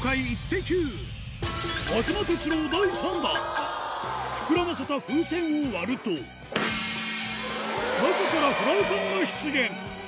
和妻哲朗第３弾膨らませた風船を割ると中からフライパンが出現